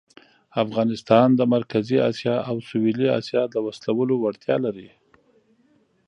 افغانستان د مرکزي آسیا او سویلي آسیا د وصلولو وړتیا لري.